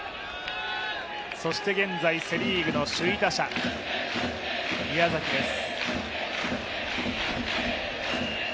現在セ・リーグの首位打者、宮崎です。